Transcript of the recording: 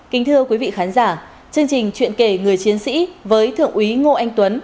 kính thưa quý vị khán giả chương trình chuyện kể người chiến sĩ với thượng úy ngô anh tuấn